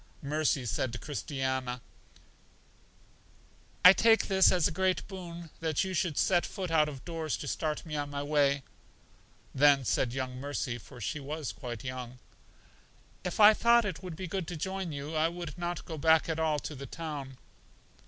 Mercy, said Christiana, I take this as a great boon that you should set foot out of doors to start me on my way. Then said young Mercy (for she was quite young): If I thought it would be good to join you, I would not go back at all to the town.